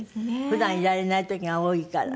普段いられない時が多いから。